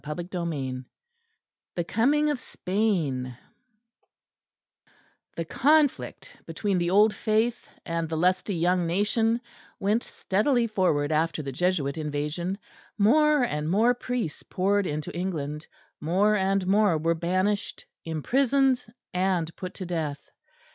PART III CHAPTER I THE COMING OF SPAIN The conflict between the Old Faith and the lusty young Nation went steadily forward after the Jesuit invasion; more and more priests poured into England; more and more were banished, imprisoned and put to death.